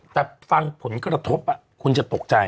แต่ฟังผลกระทบคุณจะตกใจ